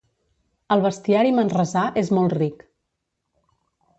El bestiari manresà és molt ric